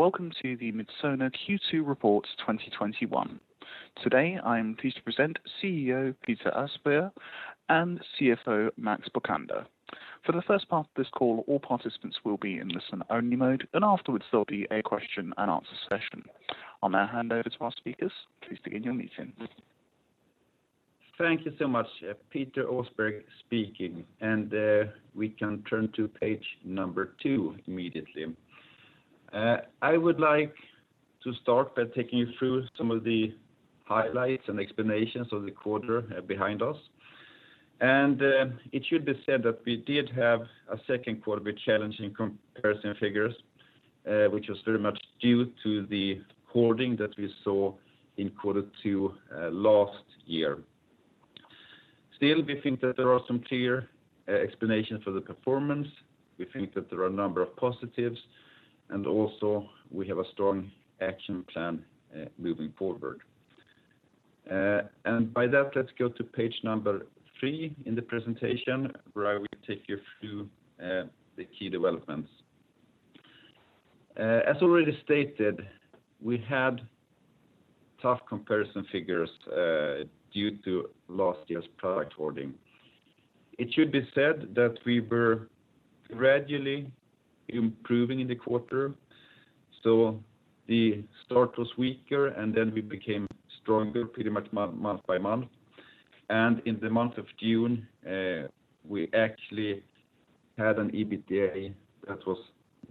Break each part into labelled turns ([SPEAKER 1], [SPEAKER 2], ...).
[SPEAKER 1] Welcome to the Midsona Q2 Report 2021. Today, I am pleased to present CEO Peter Åsberg and CFO Max Bokander. For the first part of this call, all participants will be in listen-only mode, and afterwards there will be a question and answer session. I'll now hand over to our speakers. Please begin your meeting.
[SPEAKER 2] Thank you so much. Peter Åsberg speaking. We can turn to page number two immediately. I would like to start by taking you through some of the highlights and explanations of the quarter behind us. It should be said that we did have a second quarter with challenging comparison figures, which was very much due to the hoarding that we saw in quarter two last year. Still, we think that there are some clear explanations for the performance. We think that there are a number of positives, and also, we have a strong action plan moving forward. By that, let's go to page number three in the presentation, where I will take you through the key developments. As already stated, we had tough comparison figures due to last year's product hoarding. It should be said that we were gradually improving in the quarter, so the start was weaker, and then we became stronger pretty much month by month. In the month of June, we actually had an EBITDA that was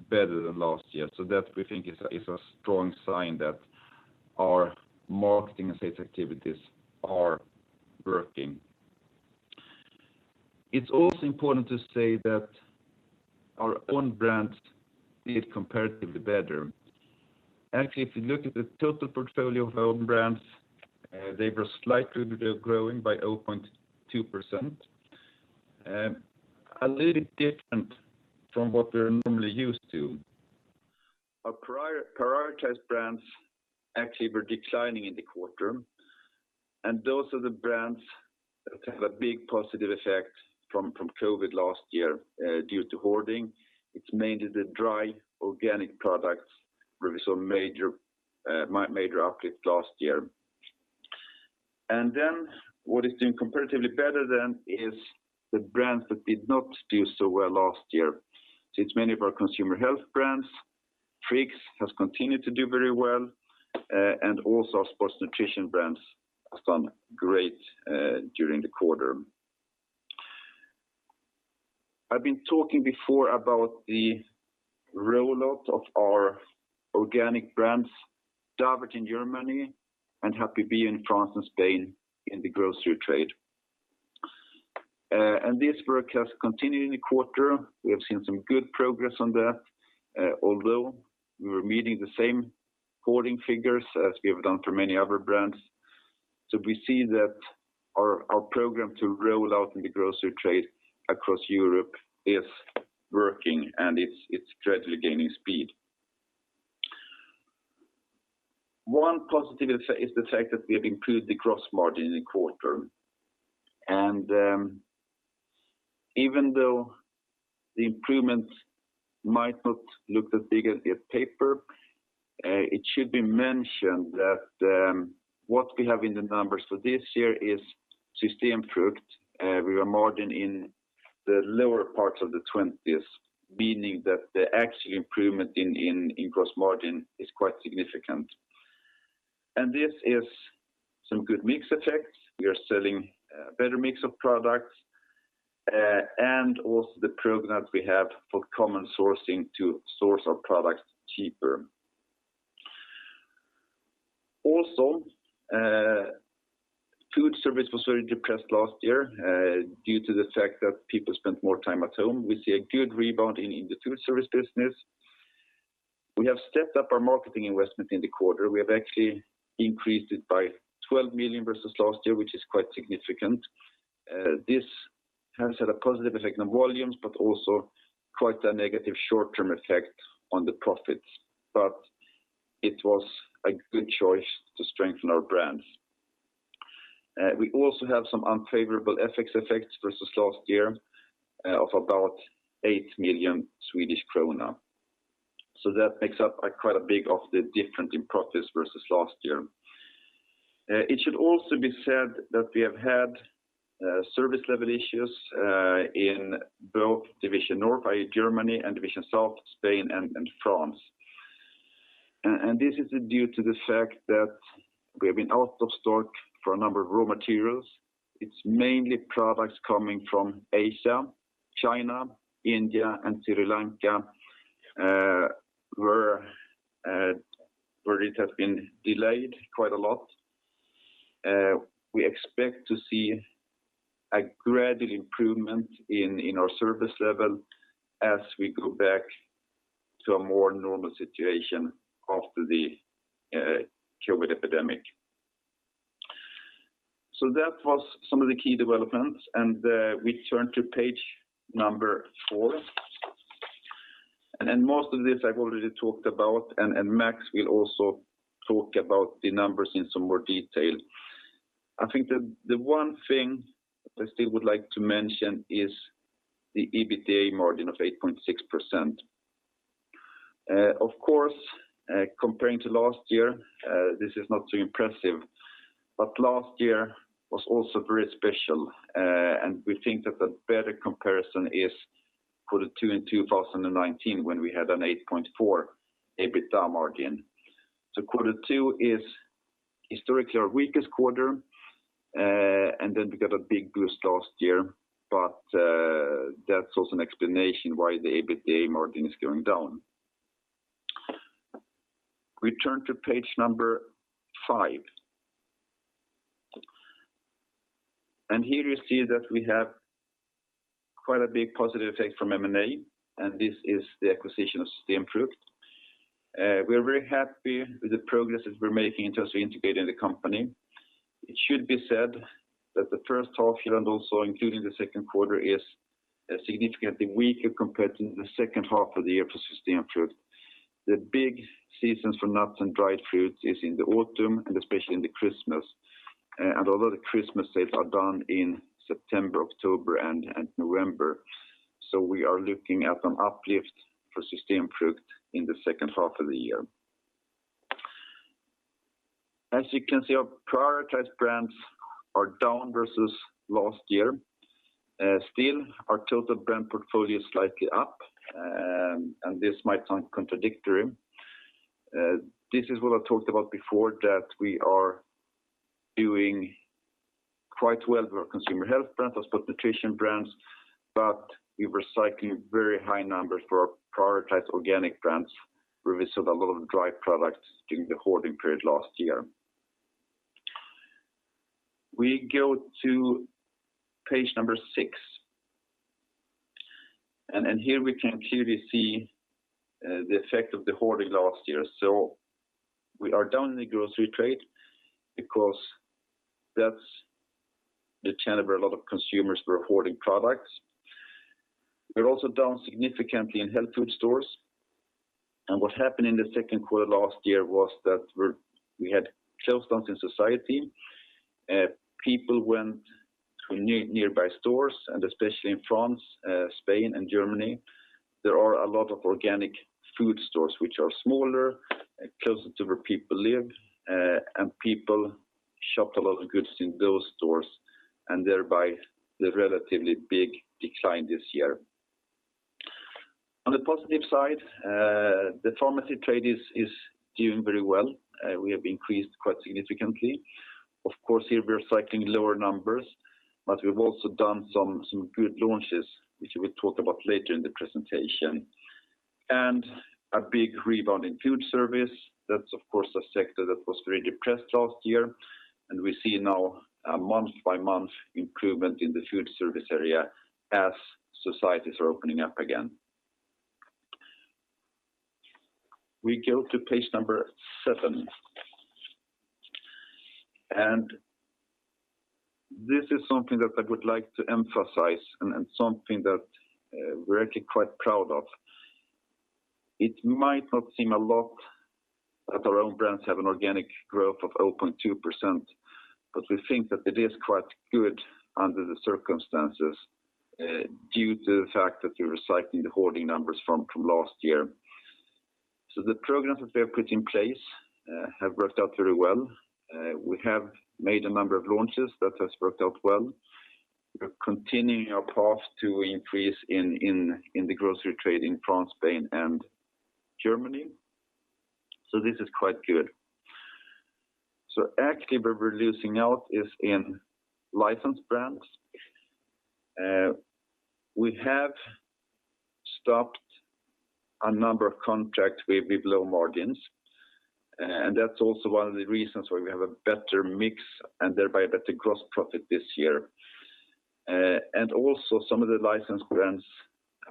[SPEAKER 2] better than last year. That, we think, is a strong sign that our marketing and sales activities are working. It's also important to say that our own brands did comparatively better. Actually, if you look at the total portfolio of our own brands, they were slightly growing by 0.2%. A little different from what we're normally used to. Our prioritized brands actually were declining in the quarter, and those are the brands that have a big positive effect from COVID last year due to hoarding. It's mainly the dry organic products where we saw major uplift last year. What is doing comparatively better is the brands that did not do so well last year. It's many of our consumer health brands. Friggs has continued to do very well, and also our sports nutrition brands have done great during the quarter. I've been talking before about the rollout of our organic brands, Davert in Germany and Happy Bio in France and Spain in the grocery trade. This work has continued in the quarter. We have seen some good progress on that, although we were meeting the same hoarding figures as we have done for many other brands. We see that our program to roll out in the grocery trade across Europe is working, and it's gradually gaining speed. One positive is the fact that we have improved the gross margin in the quarter. Even though the improvements might not look as big as they appear, it should be mentioned that what we have in the numbers for this year is System Frugt. We were margin in the lower parts of the 20s, meaning that the actual improvement in gross margin is quite significant. This is some good mix effects. We are selling a better mix of products and also the program that we have for common sourcing to source our products cheaper. Also, food service was very depressed last year due to the fact that people spent more time at home. We see a good rebound in the food service business. We have stepped up our marketing investment in the quarter. We have actually increased it by 12 million versus last year, which is quite significant. This has had a positive effect on volumes, but also quite a negative short-term effect on the profits. It was a good choice to strengthen our brands. We also have some unfavorable FX effects versus last year of about 8 million Swedish krona. That makes up quite a big of the difference in profits versus last year. It should also be said that we have had service level issues in both Division North, i.e. Germany, and Division South, Spain and France. This is due to the fact that we have been out of stock for a number of raw materials. It's mainly products coming from Asia, China, India, and Sri Lanka, where it has been delayed quite a lot. We expect to see a gradual improvement in our service level as we go back to a more normal situation after the COVID epidemic. That was some of the key developments, we turn to page four. Most of this I've already talked about, Max will also talk about the numbers in some more detail. I think that the one thing that I still would like to mention is the EBITDA margin of 8.6%. Of course, comparing to last year, this is not so impressive. Last year was also very special, we think that a better comparison is Q2 in 2019, when we had an 8.4 EBITDA margin. Q2 is historically our weakest quarter, and then we got a big boost last year. That's also an explanation why the EBITDA margin is going down. We turn to page five. Here you see that we have quite a big positive effect from M&A, this is the acquisition of System Frugt. We are very happy with the progress that we're making in terms of integrating the company. It should be said that the first half year and also including the second quarter is significantly weaker compared to the second half of the year for System Frugt. The big seasons for nuts and dried fruits is in the autumn and especially in the Christmas. A lot of the Christmas sales are done in September, October, and November. We are looking at an uplift for System Frugt in the second half of the year. As you can see, our prioritized brands are down versus last year. Still, our total brand portfolio is slightly up, and this might sound contradictory. This is what I talked about before, that we are doing quite well with our consumer health brands, our sport nutrition brands, but we were cycling very high numbers for our prioritized organic brands. We sold a lot of dry products during the hoarding period last year. We go to page number six. Here we can clearly see the effect of the hoarding last year. We are down in the grocery trade because that's the channel where a lot of consumers were hoarding products. We're also down significantly in health food stores. What happened in the second quarter last year was that we had shutdowns in society. People went to nearby stores, and especially in France, Spain, and Germany, there are a lot of organic food stores which are smaller and closer to where people live. People shopped a lot of goods in those stores, and thereby the relatively big decline this year. On the positive side, the pharmacy trade is doing very well, we have increased quite significantly. Of course, here we're cycling lower numbers, but we've also done some good launches, which we will talk about later in the presentation. A big rebound in food service. That's, of course, a sector that was very depressed last year, and we see now a month-by-month improvement in the food service area as societies are opening up again. We go to page number seven. This is something that I would like to emphasize and something that we're actually quite proud of. It might not seem a lot that our own brands have an organic growth of 0.2%, but we think that it is quite good under the circumstances due to the fact that we're recycling the hoarding numbers from last year. The programs that we have put in place have worked out very well, we have made a number of launches that has worked out well. We're continuing our path to increase in the grocery trade in France, Spain, and Germany. This is quite good. Actively we're losing out is in licensed brands, we have stopped a number of contracts with low margins, and that's also one of the reasons why we have a better mix and thereby a better gross profit this year. Also some of the licensed brands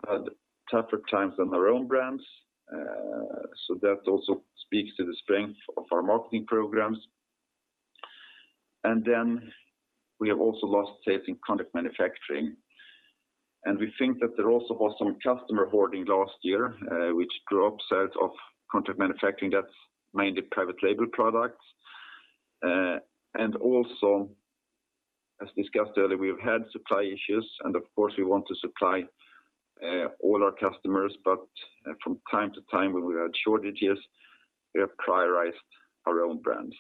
[SPEAKER 2] had tougher times than our own brands. That also speaks to the strength of our marketing programs, and then we have also lost sales in contract manufacturing. We think that there also was some customer hoarding last year, which drove sales of contract manufacturing. That's mainly private label products, and also, as discussed earlier, we have had supply issues, and of course, we want to supply all our customers, but from time to time when we had shortages, we have prioritized our own brands.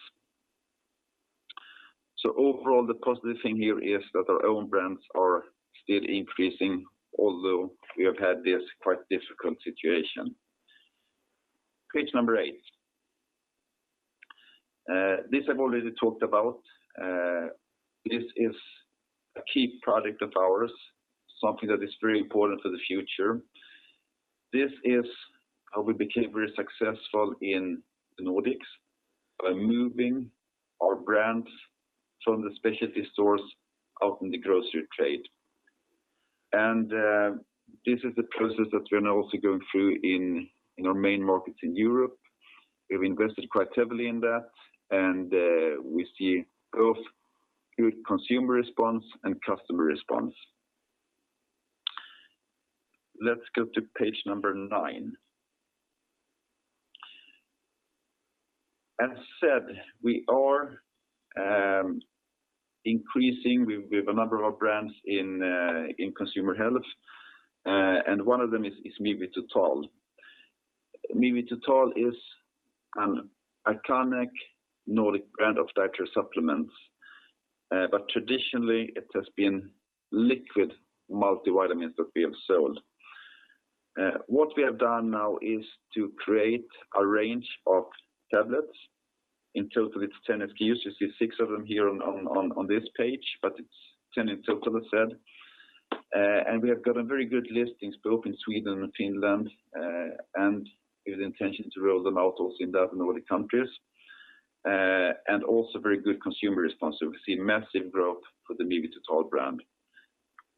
[SPEAKER 2] Overall, the positive thing here is that our own brands are still increasing, although we have had this quite difficult situation. Page number eight. This I've already talked about. This is a key project of ours, something that is very important for the future. This is how we became very successful in the Nordics by moving our brands from the specialty stores out in the grocery trade. This is a process that we're now also going through in our main markets in Europe, we've invested quite heavily in that, and we see both good consumer response and customer response. Let's go to page number nine. As said, we are increasing with a number of our brands in consumer health, and one of them is Mivitotal. Mivitotal is an iconic Nordic brand of dietary supplements, but traditionally it has been liquid multivitamins that we have sold. What we have done now is to create a range of tablets. In total, it's 10 SKUs. You see six of them here on this page, but it's 10 in total, as said. We have gotten very good listings both in Sweden and Finland, and with intention to roll them out also in the other Nordic countries. Also very good consumer response. We see massive growth for the Mivitotal brand.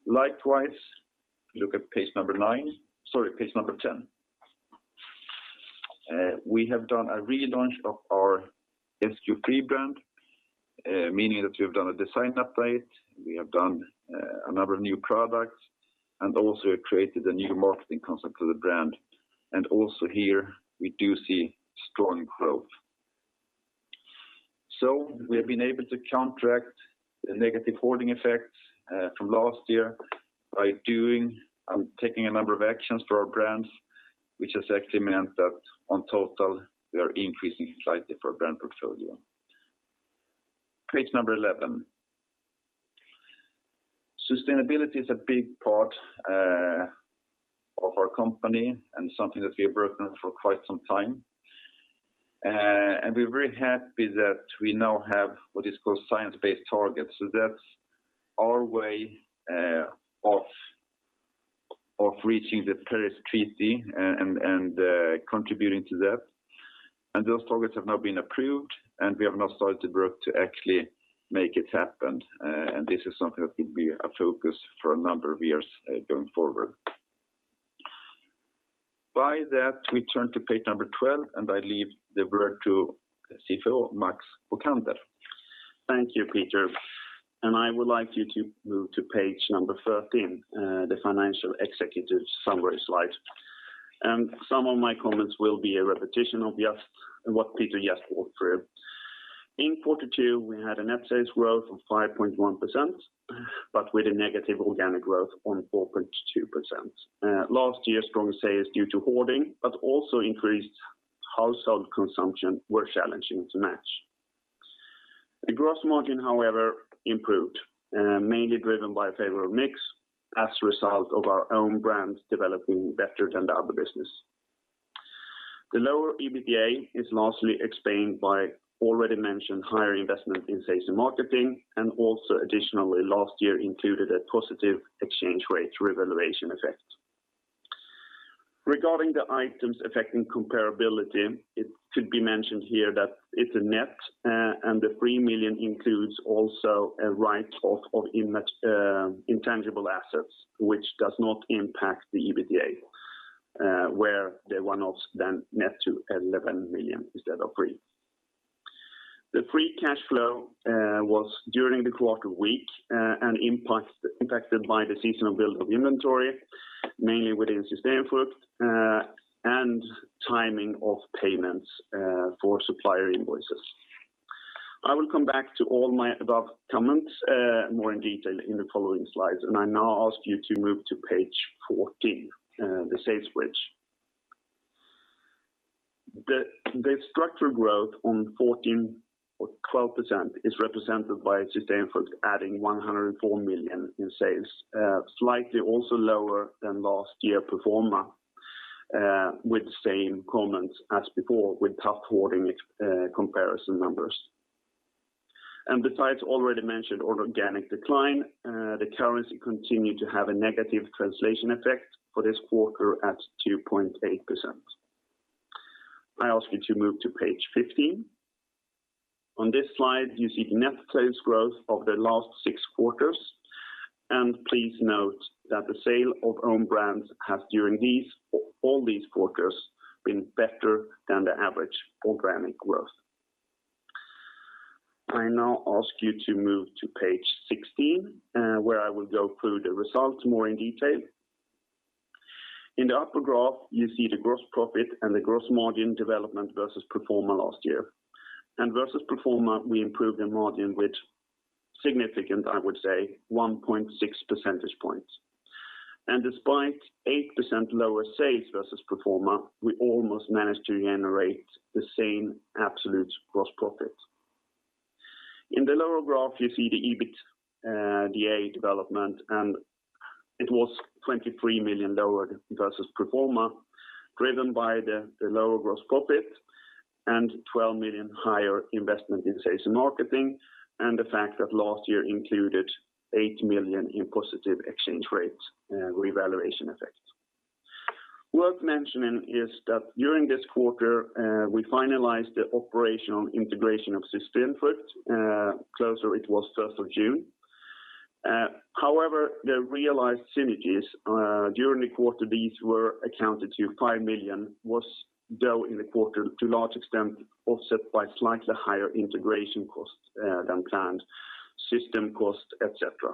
[SPEAKER 2] Likewise, look at page number nine. Sorry, page number 10. We have done a relaunch of our SQ3 brand, meaning that we have done a design update, we have done a number of new products, and also created a new marketing concept for the brand. Here we do see strong growth. We have been able to counteract the negative hoarding effects from last year by taking a number of actions for our brands, which has actually meant that on total, we are increasing slightly for our brand portfolio. Page number 11. Sustainability is a big part of our company and something that we have worked on for quite some time. We're very happy that we now have what is called science-based targets. That's our way of reaching the Paris Agreement and contributing to that. Those targets have now been approved, and we have now started the work to actually make it happen. This is something that will be a focus for a number of years going forward. By that, we turn to page number 12, and I leave the word to CFO Max Bokander.
[SPEAKER 3] Thank you, Peter, and I would like you to move to page number 13, the financial executive summary slide. Some of my comments will be a repetition of what Peter just walked through. In quarter two, we had a net sales growth of 5.1%, but with a negative organic growth of 4.2%. Last year's strong sales due to hoarding, but also increased household consumption were challenging to match. The gross margin, however, improved, mainly driven by a favorable mix as a result of our own brands developing better than the other business. The lower EBITDA is largely explained by already mentioned higher investment in sales and marketing, and also additionally, last year included a positive exchange rate revaluation effect. Regarding the items affecting comparability, it should be mentioned here that it's a net. The 3 million includes also a write-off of intangible assets, which does not impact the EBITDA, where the one-offs then net to 11 million instead of 3 million. The free cash flow was during the quarter weak and impacted by the seasonal build of inventory, mainly within System Frugt, and timing of payments for supplier invoices. I will come back to all my above comments more in detail in the following slides. I now ask you to move to page 14, the sales bridge. The structural growth on 12% is represented by System Frugt adding 104 million in sales, slightly also lower than last year pro forma, with the same comments as before, with tough hoarding comparison numbers. Besides already mentioned organic decline, the currency continued to have a negative translation effect for this quarter at 2.8%. I ask you to move to page 15. On this slide, you see the net sales growth of the last six quarters. Please note that the sale of own brands has during all these quarters been better than the average organic growth. I now ask you to move to page 16, where I will go through the results more in detail. In the upper graph, you see the gross profit and the gross margin development versus pro forma last year. Versus pro forma, we improved the margin with significant, I would say, 1.6 percentage points. Despite 8% lower sales versus pro forma, we almost managed to generate the same absolute gross profit. In the lower graph, you see the EBITDA development. It was 23 million lower versus pro forma, driven by the lower gross profit and 12 million higher investment in sales and marketing and the fact that last year included 8 million in positive exchange rates revaluation effect. Worth mentioning is that during this quarter, we finalized the operational integration of System Frugt. Closer it was 1st of June. The realized synergies during the quarter, these were accounted to 5 million, was though in the quarter to large extent offset by slightly higher integration costs than planned system costs, etc.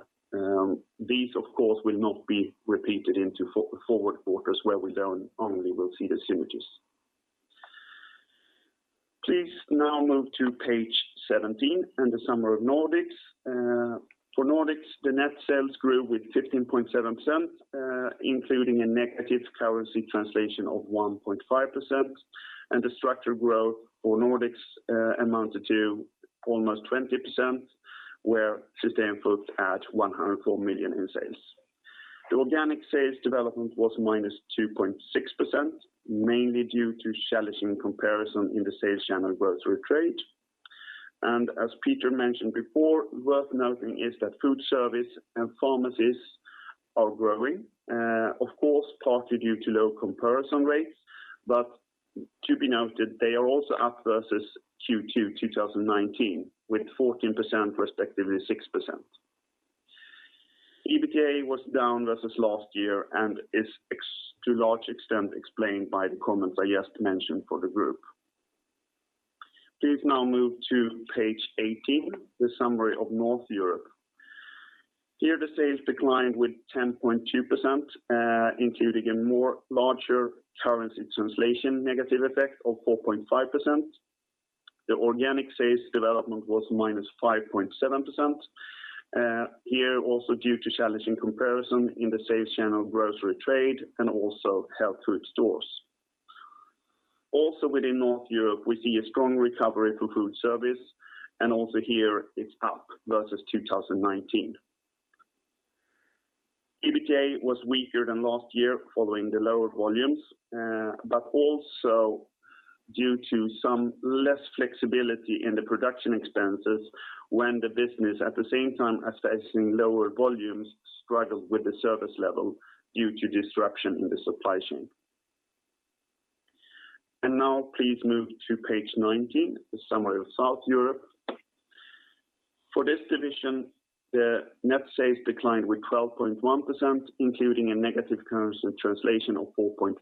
[SPEAKER 3] These, of course, will not be repeated into forward quarters where we only will see the synergies. Please now move to page 17 and the summary of Nordics. For Nordics, the net sales grew with 15.7%, including a negative currency translation of 1.5%. The structural growth for Nordics amounted to almost 20%, where System Frugt at 104 million in sales. The organic sales development was -2.6%, mainly due to challenging comparison in the sales channel grocery trade. As Peter mentioned before, worth noting is that food service and pharmacies are growing, of course, partly due to low comparison rates, but to be noted, they are also up versus Q2 2019, with 14% respectively 6%. EBITDA was down versus last year and is to large extent explained by the comments I just mentioned for the group. Please now move to page 18, the summary of North Europe. Here the sales declined with 10.2%, including a more larger currency translation negative effect of 4.5%. The organic sales development was -5.7%. Here also due to challenging comparison in the sales channel grocery trade and also health food stores. Also within North Europe, we see a strong recovery for food service and also here it's up versus 2019. EBITDA was weaker than last year following the lower volumes, but also due to some less flexibility in the production expenses when the business, at the same time as facing lower volumes, struggled with the service level due to disruption in the supply chain. Now please move to page 19, the summary of South Europe. For this division, the net sales declined with 12.1%, including a negative currency translation of 4.4%.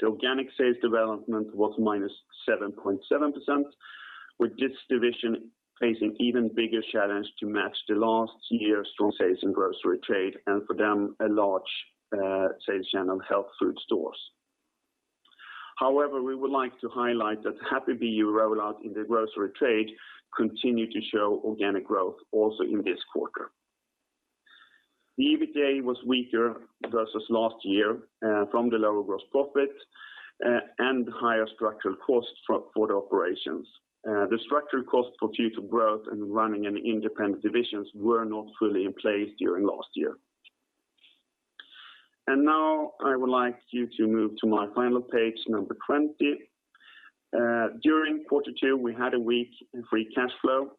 [SPEAKER 3] The organic sales development was -7.7%, with this division facing even bigger challenge to match the last year's strong sales in grocery trade, and for them, a large sales channel, health food stores. However, we would like to highlight that Happy Bio rollout in the grocery trade continued to show organic growth also in this quarter. The EBITDA was weaker versus last year, from the lower gross profit and higher structural costs for the operations. The structural cost for future growth and running in independent divisions were not fully in place during last year. Now I would like you to move to my final page, number 20. During quarter two, we had a weak free cash flow.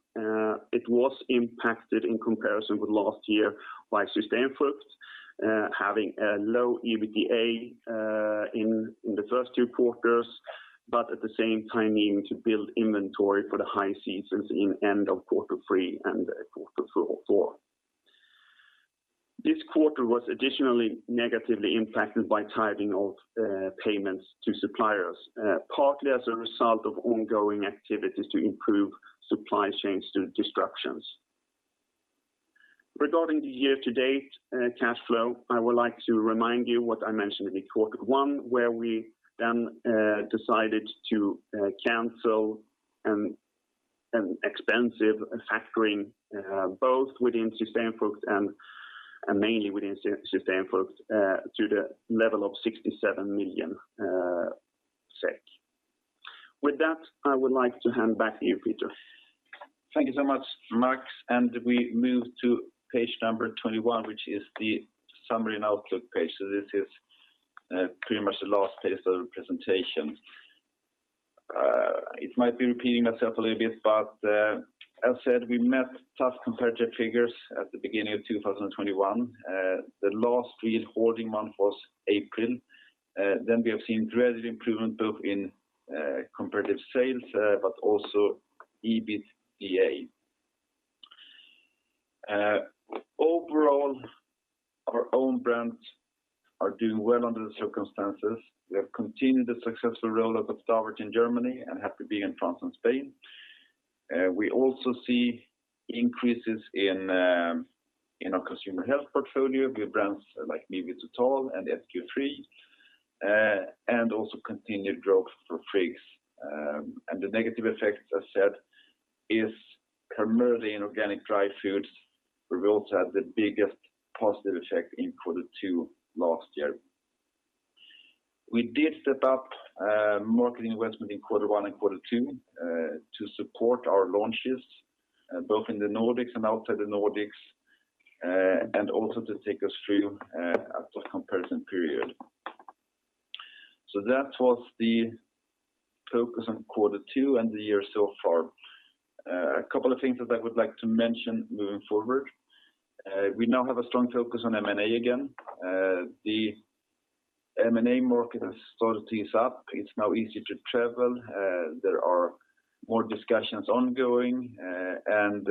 [SPEAKER 3] It was impacted in comparison with last year by System Frugt having a low EBITDA in the first two quarters, but at the same time needing to build inventory for the high seasons in end of quarter three and quarter four. This quarter was additionally negatively impacted by timing of payments to suppliers, partly as a result of ongoing activities to improve supply chains due to disruptions. Regarding the year-to-date cash flow, I would like to remind you what I mentioned in quarter one, where we then decided to cancel an expensive factoring both within System Frugt and mainly within System Frugt, to the level of 67 million SEK. With that, I would like to hand back to you, Peter.
[SPEAKER 2] Thank you so much, Max. We move to page number 21, which is the summary and outlook page. This is pretty much the last page of the presentation. It might be repeating itself a little bit, but as said, we met tough competitor figures at the beginning of 2021. The last real hoarding month was April. We have seen gradual improvement both in competitive sales, but also EBITDA. Overall, our own brands are doing well under the circumstances. We have continued the successful rollout of Davert in Germany and Happy Bio in France and Spain. We also see increases in our consumer health portfolio with brands like Mivitotal and SQ3, and also continued growth for Friggs. The negative effects, as said, is primarily in organic dry foods. We will have the biggest positive effect in quarter two last year. We did set up marketing investment in quarter one and quarter two to support our launches, both in the Nordics and outside the Nordics, and also to take us through a tough comparison period. That was the focus on quarter two and the year so far. A couple of things that I would like to mention moving forward. We now have a strong focus on M&A again, the M&A market has started to ease up. It's now easy to travel. There are more discussions ongoing, and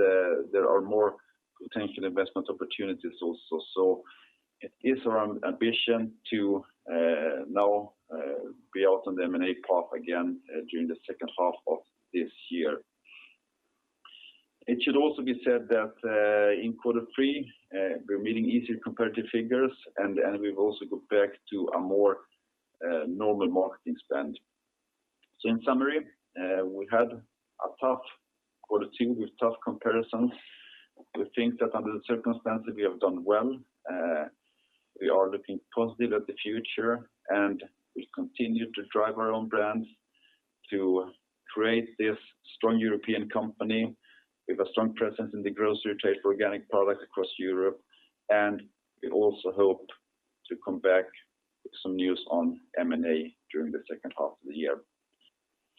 [SPEAKER 2] there are more potential investment opportunities also. It is our ambition to now be out on the M&A path again during the second half of this year. It should also be said that in quarter three, we're meeting easier comparative figures, and we've also got back to a more normal marketing spend. In summary, we had a tough quarter two with tough comparisons. We think that under the circumstances, we have done well, we are looking positive at the future, and we continue to drive our own brands to create this strong European company with a strong presence in the grocery trade for organic products across Europe. We also hope to come back with some news on M&A during the second half of the year.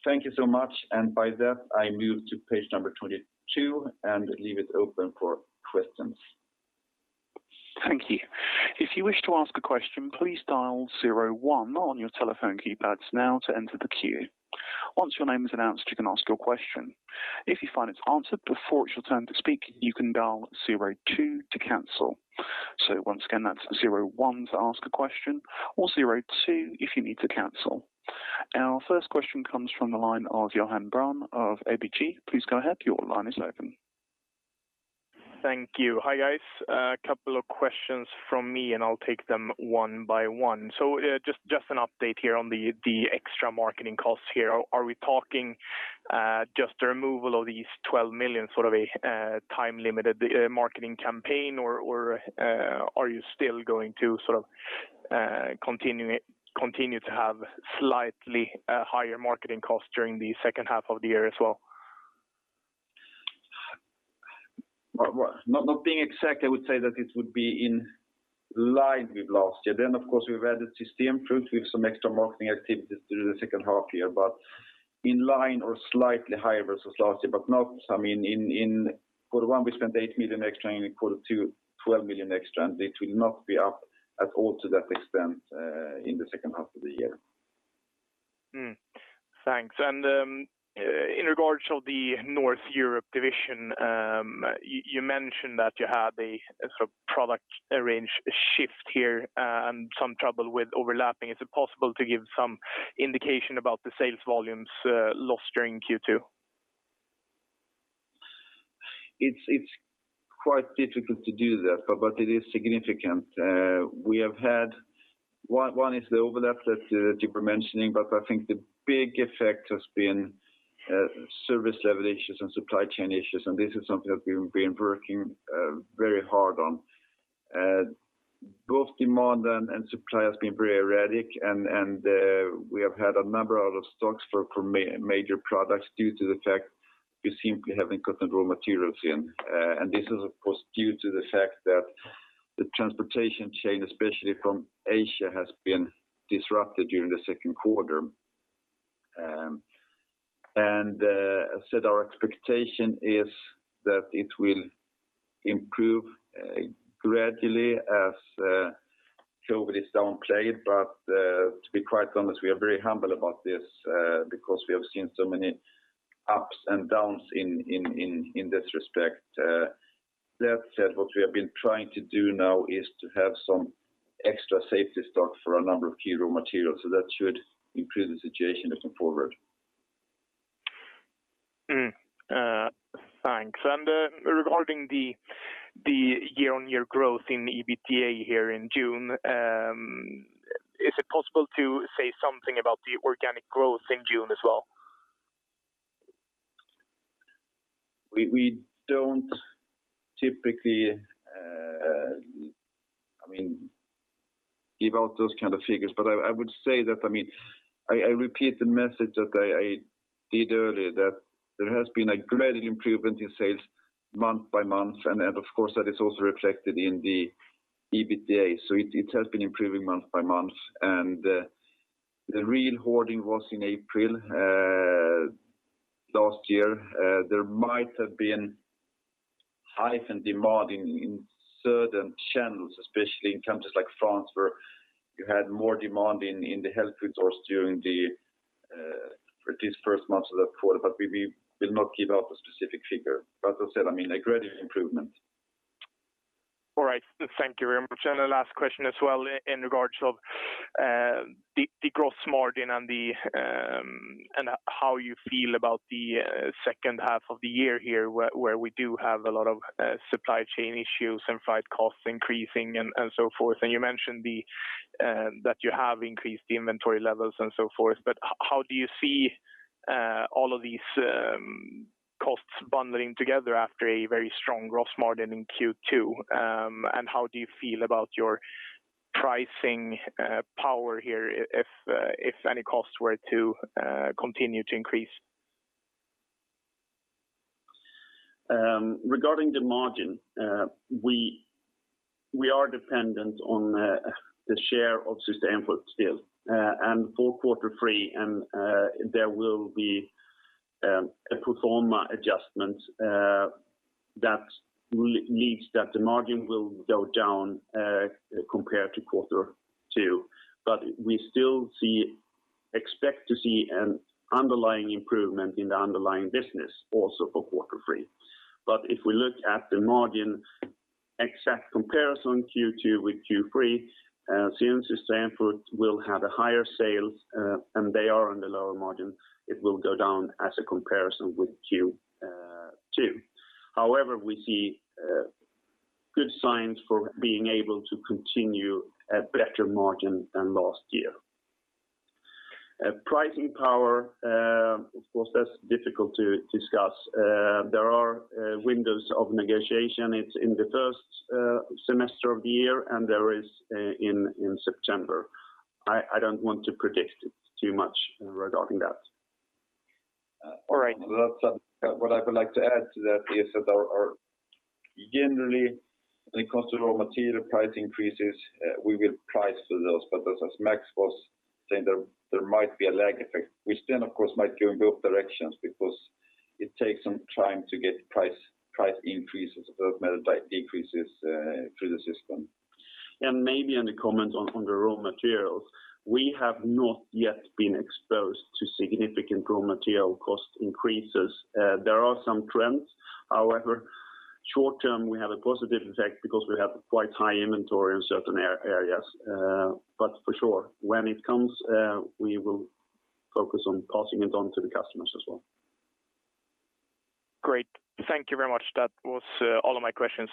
[SPEAKER 2] Thank you so much, and by that, I move to page number 22 and leave it open for questions.
[SPEAKER 1] Thank you. If you wish to ask a question, please dial zero, one on your telephone keypads now to enter the queue. Once your name is announced, you can ask your question. If you find it's answered before it's your turn to speak, you can dial zero, two to cancel. Once again, that's zero, one to ask a question, or zero, two if you need to cancel. Our first question comes from the line of Johan Brown of ABG. Please go ahead. Your line is open.
[SPEAKER 4] Thank you. Hi, guys. A couple of questions from me, and I'll take them one by one. Just an update here on the extra marketing costs here, are we talking just the removal of these 12 million sort of a time-limited marketing campaign, or are you still going to continue to have slightly higher marketing costs during the second half of the year as well?
[SPEAKER 2] Not being exact, I would say that it would be in line with last year. Of course, we've added System Frugt with some extra marketing activities through the second half year, but in line or slightly higher versus last year. In quarter one,, we spent 8 million extra, and in quarter two, 12 million extra, and it will not be up at all to that extent in the second half of the year.
[SPEAKER 4] Thanks. In regards to the North Europe division, you mentioned that you had a product range shift here and some trouble with overlapping. Is it possible to give some indication about the sales volumes lost during Q2?
[SPEAKER 2] It's quite difficult to do that, but it is significant. One is the overlap that you were mentioning, but I think the big effect has been service level issues and supply chain issues, and this is something that we've been working very hard on. Both demand and supply has been very erratic. We have had a number out of stocks for major products due to the fact we simply haven't gotten the raw materials in. This is, of course, due to the fact that the transportation chain, especially from Asia, has been disrupted during the second quarter. As said, our expectation is that it will improve gradually as COVID is downplayed. To be quite honest, we are very humble about this because we have seen so many ups and downs in this respect. That said, what we have been trying to do now is to have some extra safety stock for a number of key raw materials, so that should improve the situation looking forward.
[SPEAKER 4] Thanks. Regarding the year-on-year growth in the EBITDA here in June, is it possible to say something about the organic growth in June as well?
[SPEAKER 2] We don't typically give out those kind of figures. I would say that, I repeat the message that I did earlier, that there has been a gradual improvement in sales month by month, and of course, that is also reflected in the EBITDA. It has been improving month by month, and the real hoarding was in April last year. There might have been heightened demand in certain channels, especially in countries like France, where you had more demand in the health food stores during these first months of the quarter. We will not give out a specific figure. As I said, a gradual improvement.
[SPEAKER 4] All right, thank you very much. A last question as well in regards of the gross margin and how you feel about the second half of the year here, where we do have a lot of supply chain issues and freight costs increasing and so forth. You mentioned that you have increased the inventory levels and so forth, but how do you see all of these costs bundling together after a very strong gross margin in Q2? How do you feel about your pricing power here if any costs were to continue to increase?
[SPEAKER 3] Regarding the margin, we are dependent on the share of System Frugt still. For quarter three, there will be a pro forma adjustment that leads that the margin will go down compared to quarter two. We still see. Expect to see an underlying improvement in the underlying business also for Q3. If we look at the margin, exact comparison Q2 with Q3, since the System Frugt will have higher sales and they are on the lower margin, it will go down as a comparison with Q2. However, we see good signs for being able to continue a better margin than last year. Pricing power, of course, that's difficult to discuss. There are windows of negotiation. It's in the 1st semester of the year, and there is in September. I don't want to predict it too much regarding that.
[SPEAKER 4] All right.
[SPEAKER 2] What I would like to add to that is that generally, when it comes to raw material price increases, we will price to those. As Max was saying, there might be a lag effect, which then, of course, might go in both directions because it takes some time to get price increases or decreases through the system.
[SPEAKER 3] Maybe in the comment on the raw materials, we have not yet been exposed to significant raw material cost increases. There are some trends, however, short term, we have a positive effect because we have quite high inventory in certain areas. For sure, when it comes, we will focus on passing it on to the customers as well.
[SPEAKER 4] Great. Thank you very much. That was all of my questions.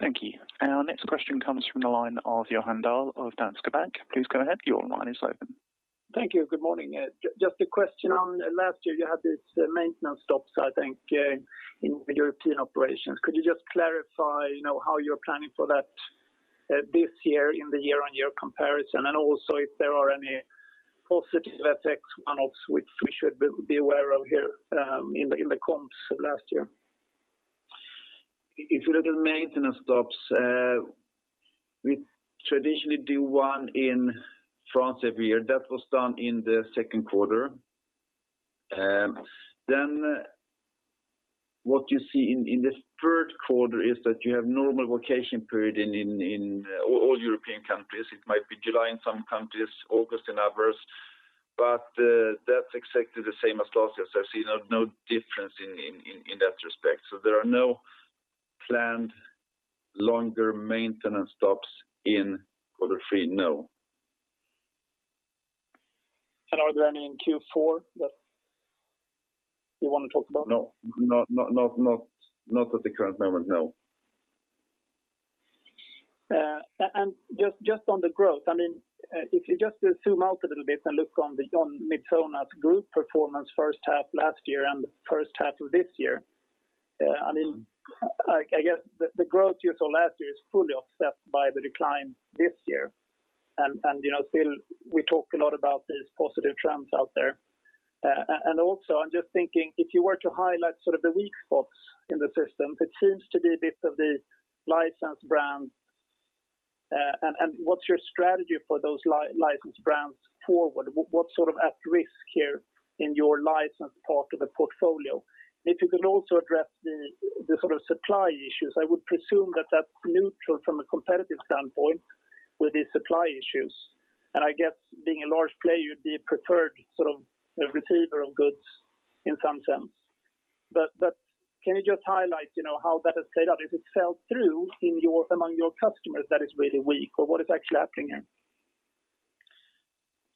[SPEAKER 1] Thank you. Our next question comes from the line of Johan Dahl of Danske Bank. Please go ahead. Your line is open.
[SPEAKER 5] Thank you, good morning. Just a question on last year, you had these maintenance stops, I think, in European operations. Could you just clarify how you're planning for that this year in the year-on-year comparison? Also, if there are any positive effects on ops which we should be aware of here in the comps last year?
[SPEAKER 3] If you look at maintenance stops, we traditionally do one in France every year, that was done in the second quarter. What you see in this third quarter is that you have normal vacation period in all European countries. It might be July in some countries, August in others, but that's exactly the same as last year, so I see no difference in that respect. There are no planned longer maintenance stops in quarter three, no.
[SPEAKER 5] Are there any in Q4 that you want to talk about?
[SPEAKER 3] No, not at the current moment, no.
[SPEAKER 5] Just on the growth, if you just zoom out a little bit and look on Midsona's group performance first half last year and the first half of this year, I guess the growth year to last year is fully offset by the decline this year. Still we talk a lot about these positive trends out there. Also, I'm just thinking, if you were to highlight sort of the weak spots in the system, it seems to be a bit of the licensed brand. What's your strategy for those licensed brands forward? What's sort of at risk here in your licensed part of the portfolio? If you could also address the sort of supply issues, I would presume that's neutral from a competitive standpoint with the supply issues. I guess being a large player, you'd be preferred sort of receiver of goods in some sense. Can you just highlight how that has played out? If it fell through among your customers that is really weak, or what is actually happening here?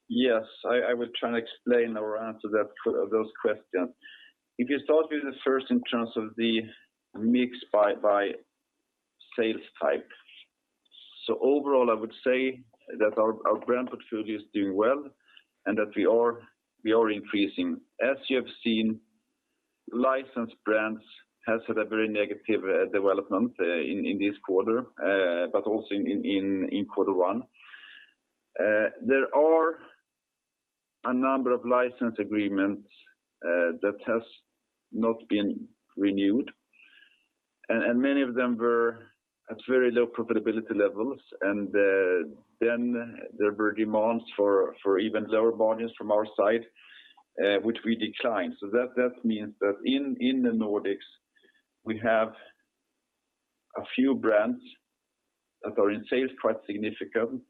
[SPEAKER 2] Yes, I will try and explain or answer those questions. If you start with the first in terms of the mix by sales type. Overall, I would say that our brand portfolio is doing well and that we are increasing. As you have seen, licensed brands has had a very negative development in this quarter, but also in quarter one. There are a number of license agreements that has not been renewed, and many of them were at very low profitability levels, and then there were demands for even lower margins from our side, which we declined. That means that in the Nordics, we have a few brands that are in sales quite significant,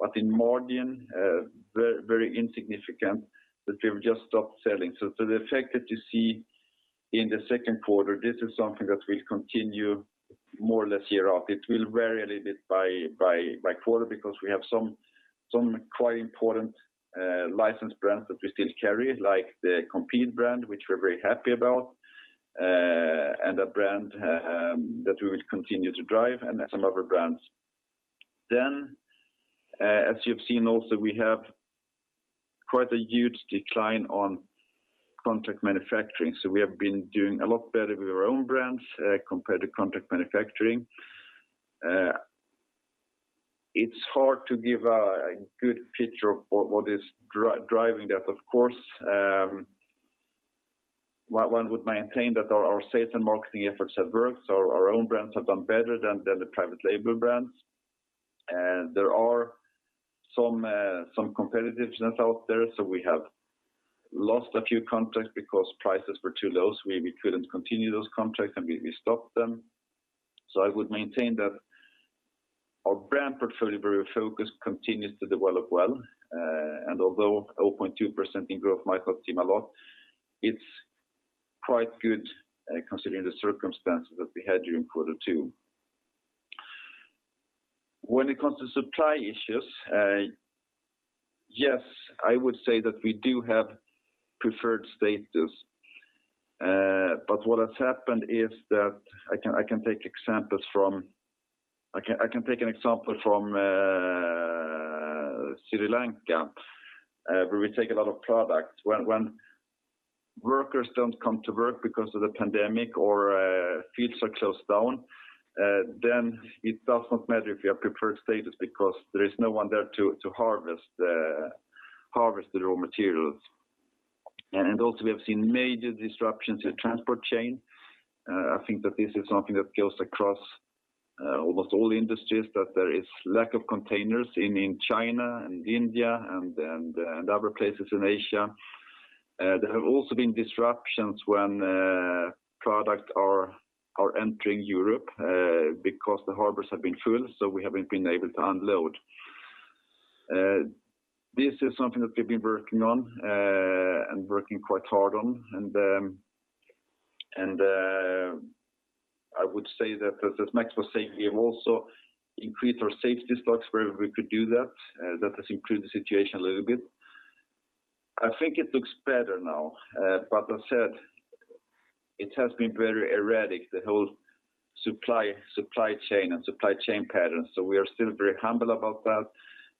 [SPEAKER 2] but in margin, very insignificant, that we've just stopped selling. The effect that you see in the second quarter, this is something that will continue more or less year out. It will vary a little bit by quarter because we have some quite important licensed brands that we still carry, like the Compeed brand, which we're very happy about, and a brand that we will continue to drive, and some other brands. As you have seen also, we have quite a huge decline on contract manufacturing. We have been doing a lot better with our own brands compared to contract manufacturing. It's hard to give a good picture of what is driving that. Of course, one would maintain that our sales and marketing efforts have worked, so our own brands have done better than the private label brands. There are some competitiveness out there, so we have lost a few contracts because prices were too low, so we couldn't continue those contracts, and we stopped them. I would maintain that our brand portfolio focus continues to develop well. Although 0.2% in growth might not seem a lot, it's quite good considering the circumstances that we had during quarter two. When it comes to supply issues, yes, I would say that we do have preferred status. What has happened is that, I can take an example from Sri Lanka, where we take a lot of products. When workers don't come to work because of the pandemic or fields are closed down, then it does not matter if you have preferred status because there is no one there to harvest the raw materials. Also we have seen major disruptions in transport chain. I think that this is something that goes across almost all industries, that there is lack of containers in China and India and other places in Asia. There have also been disruptions when products are entering Europe because the harbors have been full, so we haven't been able to unload. This is something that we've been working on and working quite hard on. I would say that, as Max was saying, we have also increased our safety stocks where we could do that. That has improved the situation a little bit. I think it looks better now, but as said, it has been very erratic, the whole supply chain and supply chain patterns. We are still very humble about that,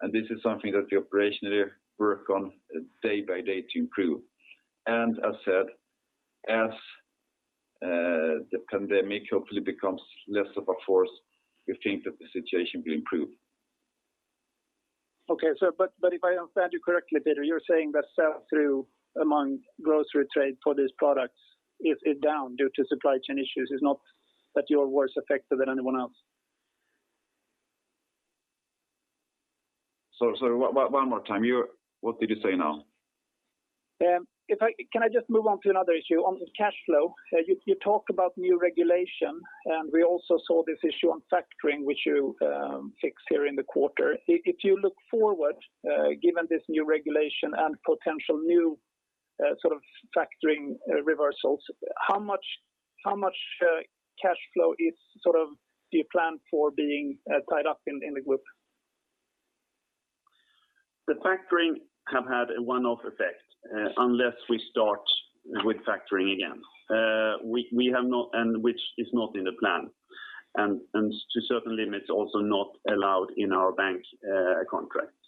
[SPEAKER 2] and this is something that we operationally work on day by day to improve. As said, as the pandemic hopefully becomes less of a force, we think that the situation will improve.
[SPEAKER 5] Okay. If I understand you correctly, Peter, you're saying that sell-through among grocery trade for these products is down due to supply chain issues? It's not that you're worse affected than anyone else.
[SPEAKER 2] Sorry, one more time. What did you say now?
[SPEAKER 5] Can I just move on to another issue? On cash flow, you talked about new regulation. We also saw this issue on factoring, which you fixed here in the quarter. If you look forward, given this new regulation and potential new factoring reversals, how much cash flow do you plan for being tied up in the group?
[SPEAKER 3] The factoring have had a one-off effect, unless we start with factoring again, which is not in the plan, and to certain limits also not allowed in our bank contracts.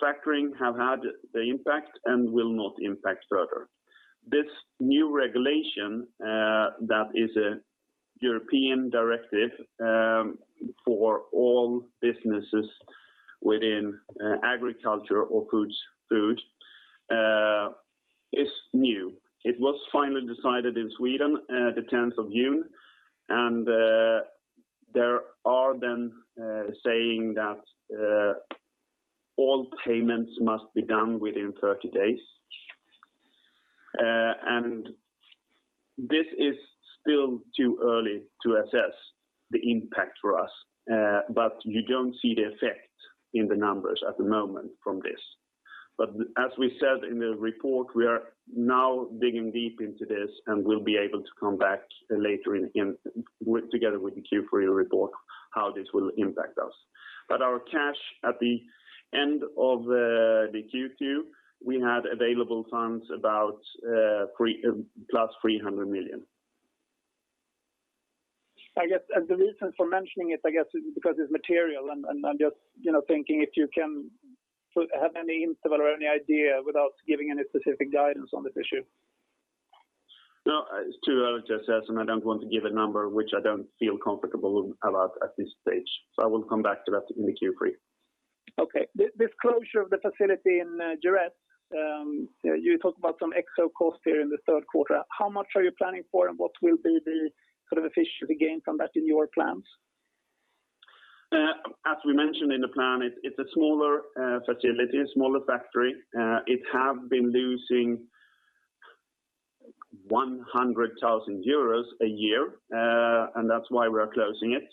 [SPEAKER 3] Factoring have had the impact and will not impact further. This new regulation that is a European directive for all businesses within agriculture or food is new. It was finally decided in Sweden the 10th of June, there are then saying that all payments must be done within 30 days. This is still too early to assess the impact for us. You don't see the effect in the numbers at the moment from this. As we said in the report, we are now digging deep into this, and will be able to come back later together with the Q3 report, how this will impact us. Our cash at the end of the Q2, we had available funds about plus 300 million.
[SPEAKER 5] I guess the reason for mentioning it, I guess, is because it's material and I'm just thinking if you can have any interval or any idea without giving any specific guidance on this issue.
[SPEAKER 3] No, it's too early to assess. I don't want to give a number which I don't feel comfortable about at this stage. I will come back to that in the Q3.
[SPEAKER 5] Okay. This closure of the facility in Jort, you talk about some extra cost here in the third quarter. How much are you planning for and what will be the efficiency gain from that in your plans?
[SPEAKER 3] As we mentioned in the plan, it's a smaller facility, a smaller factory. It has been losing 100,000 euros a year, and that's why we're closing it.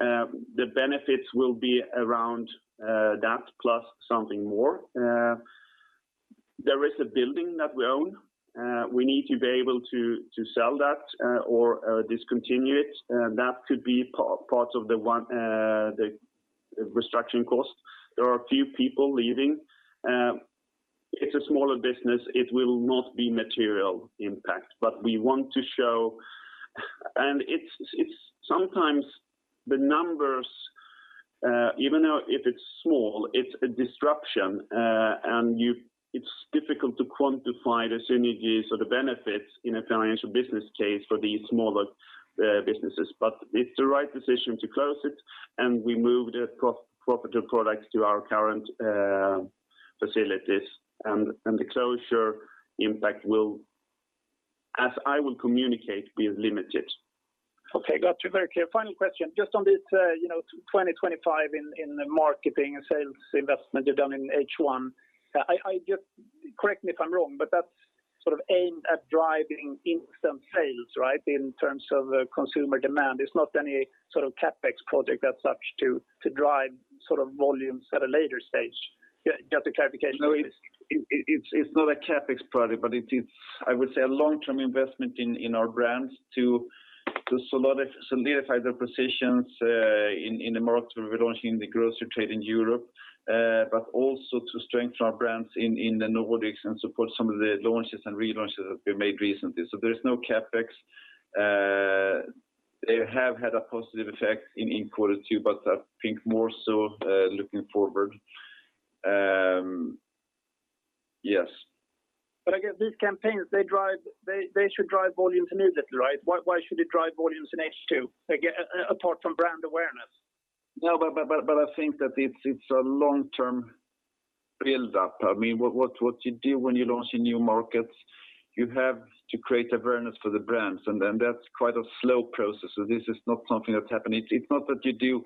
[SPEAKER 3] The benefits will be around that plus something more. There is a building that we own. We need to be able to sell that or discontinue it, that could be part of the restructuring cost. There are a few people leaving. It's a smaller business, it will not be material impact, but we want to show sometimes the numbers, even though if it's small, it's a disruption, and it's difficult to quantify the synergies or the benefits in a financial business case for these smaller businesses. It's the right decision to close it, and we move the profitable products to our current facilities. The closure impact will, as I will communicate, be limited.
[SPEAKER 5] Okay, got you. Very clear. Final question. Just on this 2025 in the marketing and sales investment you've done in H1. Correct me if I'm wrong, but that's aimed at driving instant sales, right? In terms of consumer demand. It's not any sort of CapEx project as such to drive volumes at a later stage. Just a clarification.
[SPEAKER 3] No, it's not a CapEx project, but it is, I would say, a long-term investment in our brands to solidify their positions in the market where we're launching the grocery trade in Europe. Also to strengthen our brands in the Nordics and support some of the launches and relaunches that we've made recently. There's no CapEx. They have had a positive effect in Q2, but I think more so looking forward. Yes.
[SPEAKER 5] I guess these campaigns, they should drive volumes immediately, right? Why should it drive volumes in H2, apart from brand awareness?
[SPEAKER 2] I think that it's a long-term build-up. What you do when you launch in new markets, you have to create awareness for the brands, and that's quite a slow process. This is not something that's happening. It's not that you do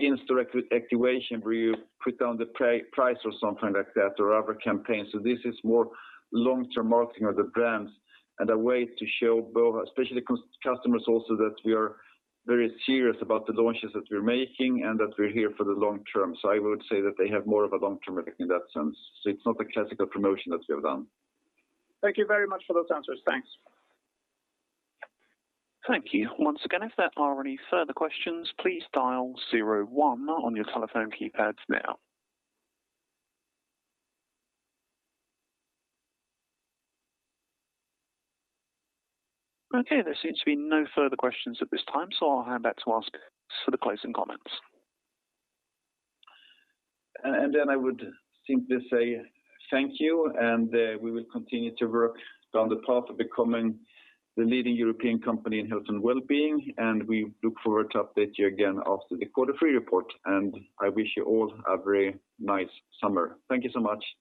[SPEAKER 2] instant activation where you put down the price or something like that or other campaigns. This is more long-term marketing of the brands and a way to show both, especially customers also, that we are very serious about the launches that we're making and that we're here for the long term. I would say that they have more of a long-term effect in that sense. It's not the classical promotion that we have done.
[SPEAKER 5] Thank you very much for those answers. Thanks.
[SPEAKER 1] Thank you. Once again, if there are any further questions, please dial 01 on your telephone keypads now. Okay, there seems to be no further questions at this time. I'll hand back to Åsberg for the closing comments.
[SPEAKER 2] Then I would simply say thank you, and we will continue to work down the path of becoming the leading European company in health and wellbeing. We look forward to update you again after the quarter three report. I wish you all a very nice summer. Thank you so much.